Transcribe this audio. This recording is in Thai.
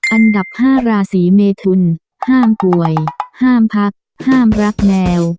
อันดับ๕ราศีเมทุนห้ามป่วยห้ามพักห้ามรักแมว